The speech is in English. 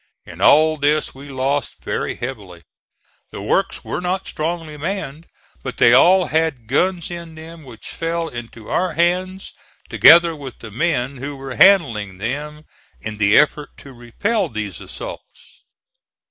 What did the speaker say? In all this we lost very heavily. The works were not strongly manned, but they all had guns in them which fell into our hands, together with the men who were handling them in the effort to repel these assaults.